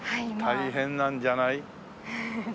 大変なんじゃない？